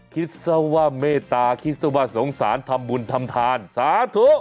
คิดซะว่าเมตตาคิดซะว่าสงสารทำบุญทำทานสาธุ